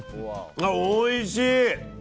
おいしい！